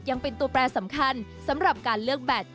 ยังเป็นตัวแปรสำคัญสำหรับการเลือกแบต